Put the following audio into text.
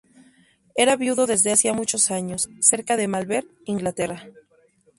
Era viudo desde hacía muchos años; cerca de Malvern, Inglaterra.